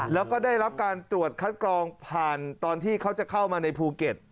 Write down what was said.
แล้วก็ได้รับการตรวจคัดกรองผ่านตอนที่เขาจะเข้ามาในภูเก็ต